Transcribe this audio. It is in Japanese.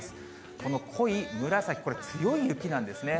この濃い紫、これ、強い雪なんですね。